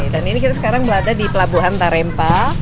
dan ini kita sekarang berada di pelabuhan tarempa